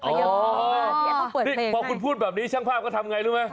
นี่พอคุณพูดแบบนี้ช่างภาพก็ทำไงรู้ไหม